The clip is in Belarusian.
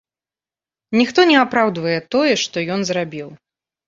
Ніхто не апраўдвае тое, што ён зрабіў.